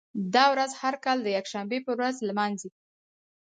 دا ورځ هر کال د یکشنبې په ورځ لمانځي.